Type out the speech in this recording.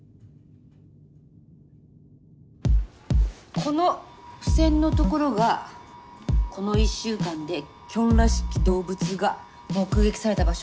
この付箋のところがこの１週間でキョンらしき動物が目撃された場所。